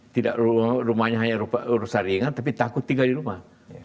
tidak rumahnya hanya rusak ringan tapi takut tinggal di rumah